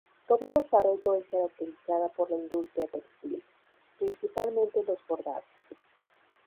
Tobias Barreto es caracterizada por la industria textil, principalmente los bordados.